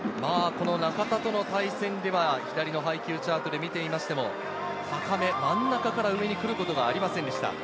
中田との対戦では左の配球チャートで見てみましても高め真ん中から上に来ることがありませんでした。